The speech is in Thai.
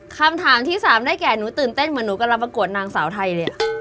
คำถามที่๓ได้แก่หนูตื่นเต้นเหมือนหนูกำลังประกวดนางสาวไทยเลย